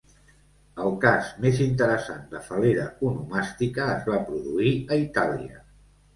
El cas més interessant de fal·lera onomàstica es va produir a Itàlia.